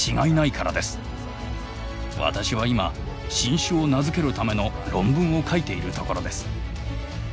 私は今新種を名付けるための論文を書いているところです。